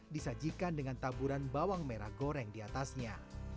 disajikan dengan taburan bawang merah goreng di atasnya